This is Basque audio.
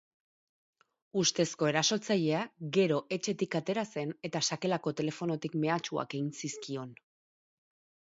Ustezko erasotzailea gero etxetik atera zen eta sakelako telefonotik mehatxuak egin zizikion.